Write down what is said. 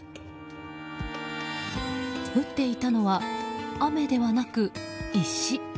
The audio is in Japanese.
降っていたのは雨ではなく石。